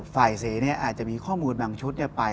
สีอาจจะมีข้อมูลบางชุดไป